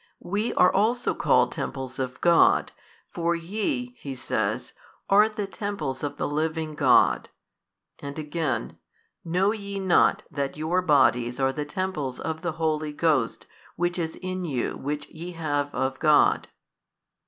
We are also called temples of God, for Ye (he |208 says) are the Temples of the Living God, and again, Know ye not that your bodies are the Temples of the Holy Ghost Which is in you Which ye have of God?